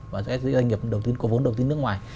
và các doanh nghiệp có vốn đầu tiên nước ngoài